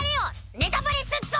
ネタバレすっぞ！